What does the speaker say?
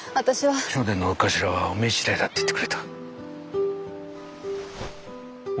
聖天のお頭はおめえ次第だって言ってくれた。